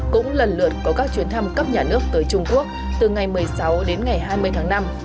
cũng lần lượt có các chuyến thăm cấp nhà nước tới trung quốc từ ngày một mươi sáu đến ngày hai mươi tháng năm